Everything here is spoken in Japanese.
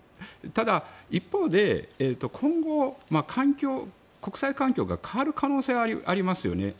ただ一方で、今後、国際環境が変わる可能性がありますよね。